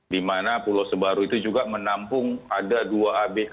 di mana pulau sebaru itu juga menampung ada dua abk